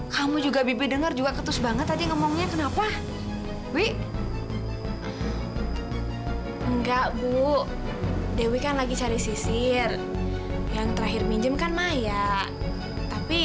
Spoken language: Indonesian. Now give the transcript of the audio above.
sampai jumpa di video selanjutnya